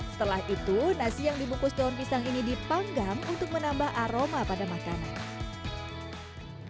setelah itu nasi yang dibungkus daun pisang ini dipanggang untuk menambah aroma pada makanan